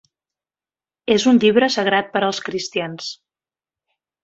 És un llibre sagrat per als cristians.